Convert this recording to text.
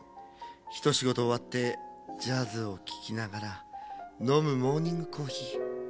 ひとしごとおわってジャズをききながらのむモーニングコーヒー。